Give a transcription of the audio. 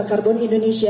dan pemerintahan indonesia